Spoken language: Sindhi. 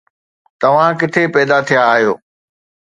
توهان ڪٿي پيدا ٿيا آهيو